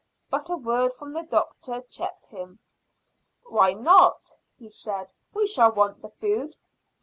But a word from the doctor checked him. "Why not?" he said. "We shall want the food."